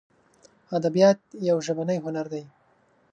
ادبیات یو ژبنی هنر دی.